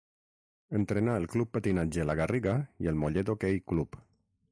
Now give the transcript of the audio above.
Entrenà el Club Patinatge La Garriga i el Mollet Hoquei Club.